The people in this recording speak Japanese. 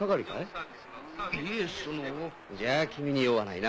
じゃあ君に用はないな。